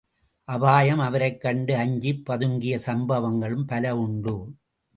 அபாயம் அவரைக் கண்டு அஞ்சிப் பதுங்கிய சம்பவங்கள் பலவுண்டு.